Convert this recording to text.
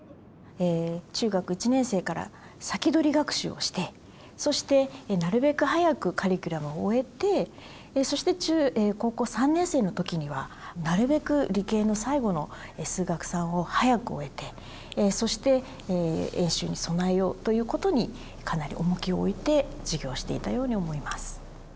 中学１年生から先取り学習をしてそしてなるべく早くカリキュラムを終えてそして高校３年生の時にはなるべく理系の最後の数学Ⅲを早く終えてそして演習に備えようということにかなり重きを置いて授業していたように思います。